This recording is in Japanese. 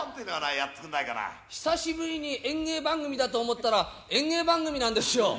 久しぶりに演芸番組だと思ったら、園芸番組なんですよ。